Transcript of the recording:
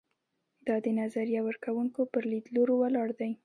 دا د نظریه ورکوونکو پر لیدلورو ولاړ دی.